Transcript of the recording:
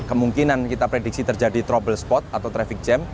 kemungkinan kita prediksi terjadi trouble spot atau traffic jam